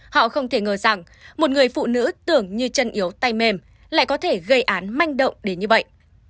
họ không thể ngờ rằng một người phụ nữ tưởng như chân yếu tay mềm lại có thể gây án manh động đến như vậy